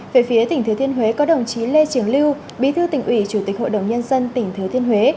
về phía tỉnh thừa thiên huế có đồng chí lê trường lưu bí thư tỉnh ủy chủ tịch hội đồng nhân dân tỉnh thừa thiên huế